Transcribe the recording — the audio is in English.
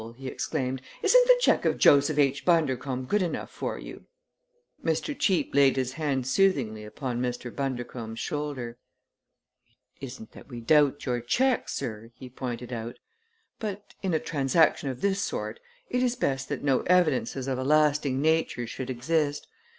he exclaimed. "Isn't the check of Joseph H. Bundercombe good enough for you?" Mr. Cheape laid his hand soothingly upon Mr. Bundercombe's shoulder. "It isn't that we doubt your check, sir," he pointed out; "but in a transaction of this sort it is best that no evidences of a lasting nature should exist.